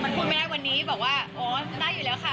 ผมไม่ได้วันนี้บอกว่าโอ้ได้อยู่แล้วค่ะ